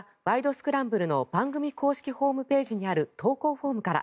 スクランブル」の番組公式ホームページにある投稿フォームから。